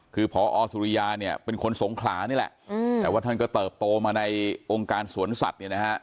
คือพอสุริยาเป็นคนสงขลานี่แหละแต่ว่าท่านก็เติบโตมาในองค์การสวนสัตว์